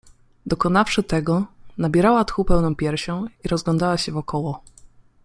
Dokonawszy tego, nabierała tchu pełną piersią i rozglądała się wokoło.